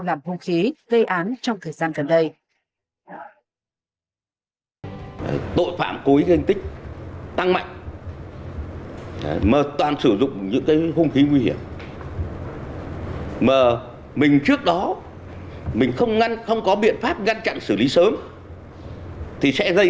làm hung khí gây án trong thời gian gần đây